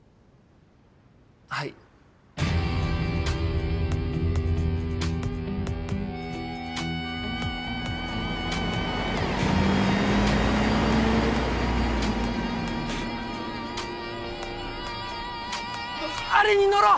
はいあれに乗ろう！